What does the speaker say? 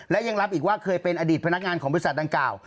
และยังรับอีกว่าเคยเป็นอดีตพนักงานของบริษัทดังกล่าว